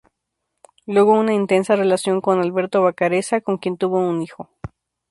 Luego una intensa relación con Alberto Vacarezza con quien tuvo un hijo.